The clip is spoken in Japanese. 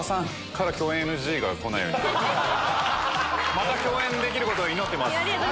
また共演できることを祈ってます。